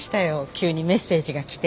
急にメッセージが来て。